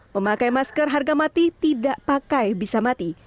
memakai masker harga mati tidak pakai bisa mati